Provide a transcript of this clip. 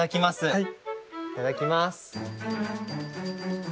はい。